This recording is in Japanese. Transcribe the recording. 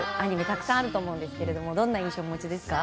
たくさんあると思うんですがどんな印象お持ちですか？